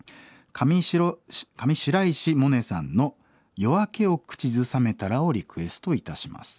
「上白石萌音さんの『夜明けをくちずさめたら』をリクエストいたします。